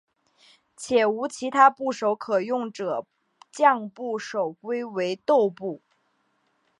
且无其他部首可用者将部首归为豆部。